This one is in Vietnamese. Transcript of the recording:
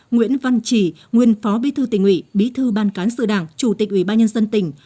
nguyễn văn trì nguyên phó bí thư tỉnh ủy bí thư ban cán sự đảng chủ tịch ủy ban nhân dân tỉnh